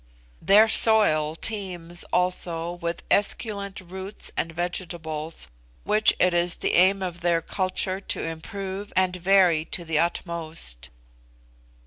Their soil teems also with esculent roots and vegetables, which it is the aim of their culture to improve and vary to the utmost.